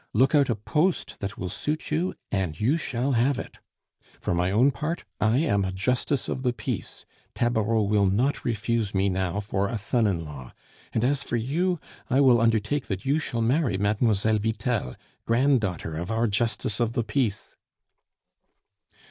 Look out a post that will suit you, you shall have it! For my own part, I am a justice of the peace. Tabareau will not refuse me now for a son in law. And as for you, I will undertake that you shall marry Mlle. Vitel, granddaughter of our justice of the peace."